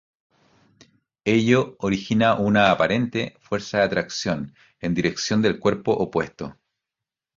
Ello origina una aparente "fuerza de atracción" en dirección del cuerpo opuesto.